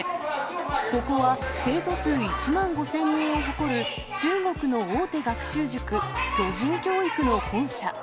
ここは、生徒数１万５０００人を誇る中国の大手学習塾、巨人教育の本社。